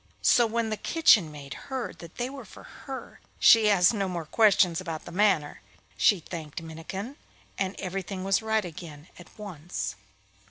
So when the kitchen maid heard that they were for her, she asked no more questions about the matter. She thanked Minnikin, and everything was right again at once.